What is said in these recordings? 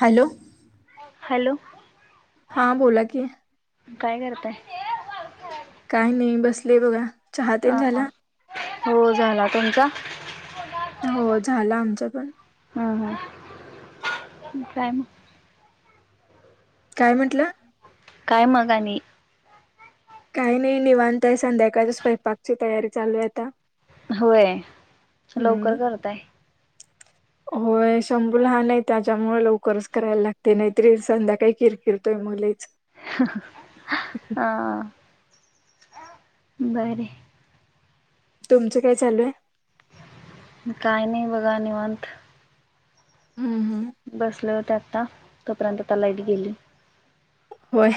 Hello. Hello. हां बोला की, काय करताय. काही नाही बसले बघा. चहा तेन अ हा झाला हो झाला तुमचा. हो झाला आमचं पण. अ.. काय मग. काय म्हंटला. काय मग आणि. काही नाही निवांतय, संध्याकाळची स्वयंपाक ची तयारी चालू आहे आता. होय हम्म लवकर करताय. होय, शंभू लहान नाही त्याच्यामुळे लवकरच करायला लागते. नाहीतरी संध्याकाळी किरकिर, तोय मग लैच. हां. बर. तुमचं काय चालू आहे. काही नाही बघा निवांत. हम्म हम्म. होते आता, तोपर्यंत आता लाईट गेली. होय.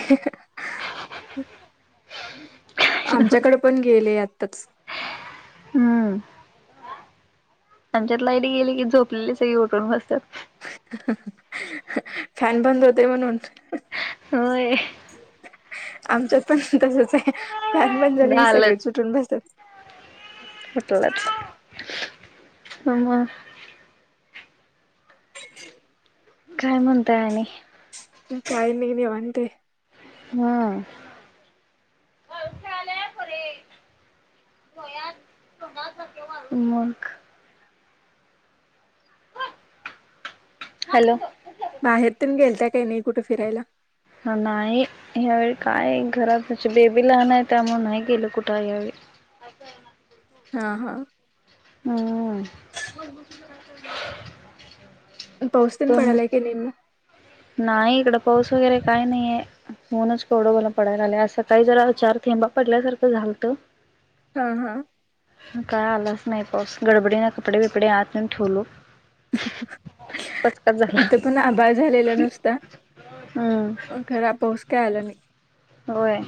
आमच्याकडे पण गेलेय आताच. हम्म. त्यांच्यात लाईट गेली की, झोपलेली सगळी उठून बसत्यात. फॅन बंद होतोय म्हणून. होय. आमच्यात पण तसचे, फॅन बंद झाले की सगळे उटून बसत्यात. होतो आज, ह, म. काय म्हणताय आणि. त काही नाही निवांतय. ह. मग. हॅलो. बाहेर तून गेलताय काय नाही, कुठे फिरायला. ह नाही या्यावेळी काय घरातच, बेबी लहानय त्यामुळे नाही गेल कुठे यावेळी. हा हा. हम्म. पाऊस दिन पडलाय तुम लेके नि म नाही, इकड पाऊस वगैरे काय नाहीये. ऊणूनच कवडं बला पडाय लागलय, आज सकाळी जरा चार थेंबा पडल्यासारखं झालत. हा हा. काय आलाच नाही पाऊस, गडबडीना कपडे बिपडे आतऊन ठेवलो. पचकाच झाला इथं पण आभाळ झालेल नुसत. हम्म खरा पाऊस काय आला नाही. होय.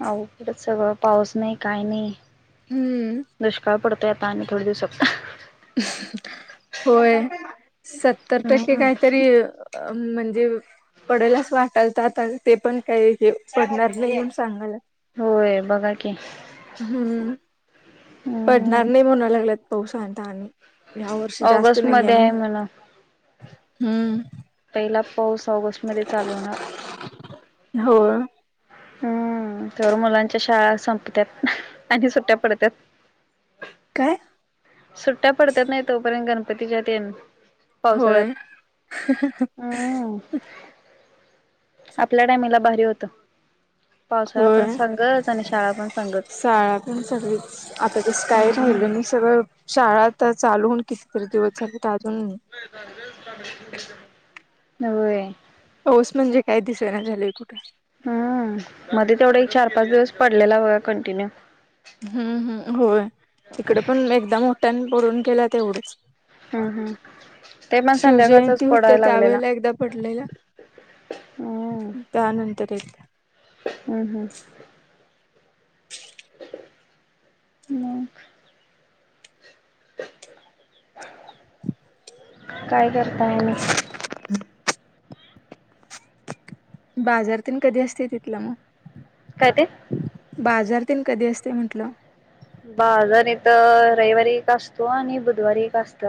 अ बरंच सगळं पाऊस नाही, काय नाही. हम्म दुष्काळ पडतोय आता, आणि थोडे दिवसात. होय सत्तर टक्के हम्म काहीतरी म्हणजे, पडलाच वाटाल त आता ते पण काही पडणार नाही सांगायला. होय बघा की. हम्म हम्म पडणार नाही, म्हणा लागलेत पाऊसां आता आणि. ह्या वर्षी जास्त ऑगस्ट नाहीये मध्ये आहे मग, म्हण. हम्म. पहिला पाऊस ऑगस्ट मध्ये चालू होणार. होय हम्म त्यावर मुलांच्या शाळा संपतात, आणि सुट्ट्या पडत्याात. ह [inaudible] काय? सुट्ट्या पडतात नाही तोपर्यंत, गणपतीच्यान ते न. होय. हम्म आपल्या टायमला भारी होतं. पावसाळा होय पण संगच आणि शाळा पण संगच शाळा पण सगळीच, आता तस काय राहिल हम्म नाही. सगळ शाळा चालू होन कितीतरी दिवस झाले त अजून नवय. पाऊस म्हणजे काय, दिसयना झालंय कुठं. हम्म मध्ये तेवढा एक चार पाच दिवस पडलेला बघा कंटिन्यू. हम्म हम्म, होय, इकडे पण एकदा मोठ्याने पडून गेला तेवढंच. हम्म हम्म ते पण संध्याकाळचाच शिवजयंती होत, पडाय लागलेला त्यावेेळेला एकदा पडलेला. त्या नंतर येत. हम्म हम्म. म काय करताय मी बाजारातून कधी असते तिथलं मग का ते बाजारात कधी असते म्हंटलं बाजार इथ रविवारी का असतो आणि बुधवारी का असत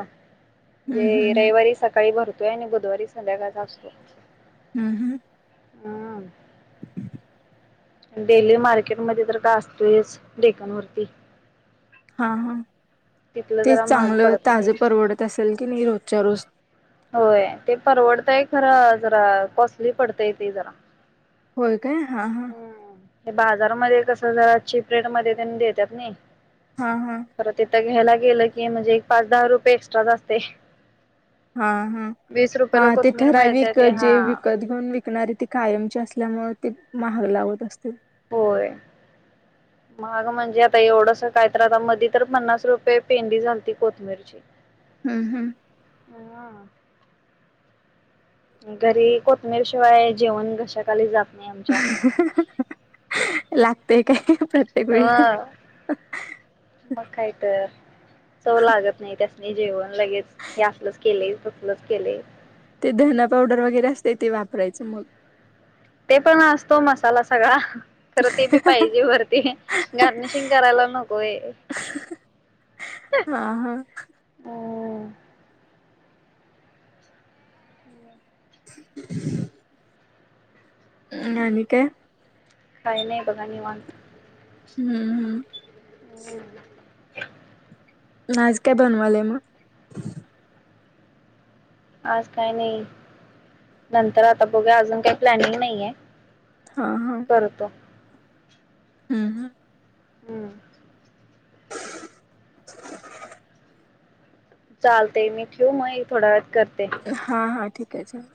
हम्म जे हम्म हम्म रविवारी सकाळी भरतोय आणि बुधवारी संध्याकाळ असतो हम् हम हम्म डेली मार्केटमध्येध्ये तर का असतोयच डेकांवररती. हा हा तिथलं तेच जरा महाग चांगलं पडत होते. ताजं परवडत असेल की नाही रोजच्या रोज! होय ते परवडतंय खरं जरा कॉस्टली पडतय ते जरा. होय काय हा हे बाजारमध्ये कस जरा चीप रेट मध्ये त्यांनी देतात नाही हा हा परत इथं घ्यायला गेलं की म्हणजे एक पाच दहा रुपये एक्स्ट्रा जा असते. हा हा वीस हा रुपयाला ते कोथमीर मिळते ठराविक ते जे हा व कधी न विकणारे ती कायमची असल्यामुळे ते महाग लावत असते. होय महाग म्हणजे आता एवढस काय तर आता मध तर पन्नास रुपये पेंडी झालती कोथमीिरची. ठीक हम्म हम् हा घरी कोतमीरशिवाय जेवण घशाकाली जात. नाही आमच्या. लागतेय काय प्रत्येक वेळी हा म म काईत चव लागत नाही त्यासनी जेवण लगेच हे असलच केले तसलच केले. ते धण पावडर वगैरे असते ते वापरायचं मग! ते पण असतो मसाला सगळा खरं ते बी पाहिजे वरती. गारर्निशिंग करायला नकोय हा हा हम्म ह नानी काय! काय नाही बघा म निवात. हम्म हम् नाचक्या बनवाले मग आज काय नाही नंतर आता बघया अजून काही प्लॅनिंग नाहीय. हा हा करतो हम् हम हम्म चालते मी ठेवू मग थोड्या वेळत करते. हा हा ठीके आहे.